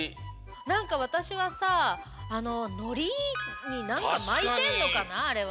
なんかわたしはさああののりになんかまいてんのかなあれは。